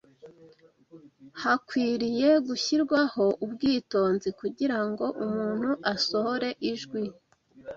Hakwiriye gushyirwaho ubwitonzi kugira ngo umuntu asohore ijwi